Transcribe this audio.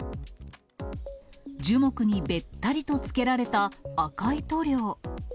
樹木にべったりとつけられた、赤い塗料。